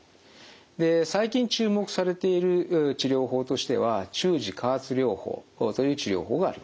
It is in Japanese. で最近注目されている治療法としては中耳加圧療法どんな治療法ですか？